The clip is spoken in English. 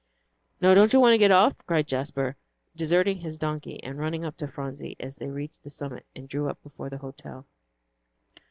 "Now, don't you want to get off?" cried Jasper, deserting his donkey, and running up to Phronsie, as they reached the summit and drew up before the hotel.